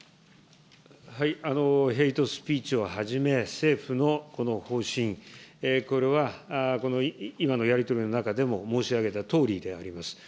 ヘイトスピーチをはじめ、政府のこの方針、これは今のやり取りの中でも申し上げたとおりであります。